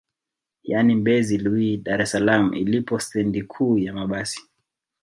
Yani Mbezi Luis Dar es salaam ilipo stendi kuu ya mabasi